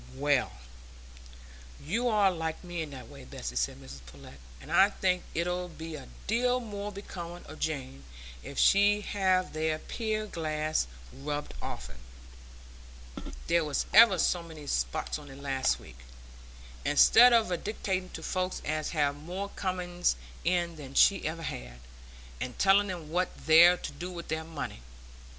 "Well, you're like me in that, Bessy," said Mrs Pullet; "and I think it 'ud be a deal more becoming o' Jane if she'd have that pier glass rubbed oftener,—there was ever so many spots on it last week,—instead o' dictating to folks as have more comings in than she ever had, and telling 'em what they're to do with their money.